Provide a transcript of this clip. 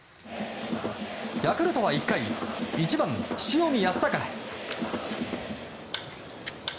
ヤクルトは１回１番、塩見泰隆。